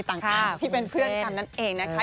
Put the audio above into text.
ต่างกันที่เป็นเพื่อนกันนั่นเองนะคะ